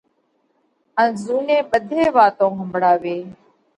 ان زُوني ٻڌي واتون ۿمڀۯاوي۔